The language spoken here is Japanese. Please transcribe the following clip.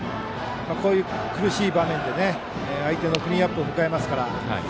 こういう苦しい場面で相手のクリーンナップを迎えるので。